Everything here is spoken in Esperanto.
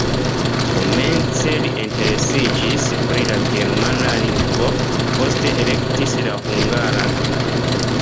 Komence li interesiĝis pri la germana lingvo, poste elektis la hungaran.